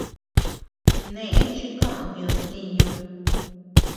Neʼe chi koʼöd did ntiñu.